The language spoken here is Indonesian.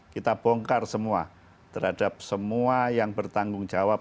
kita bongkar semua terhadap semua yang bertanggung jawab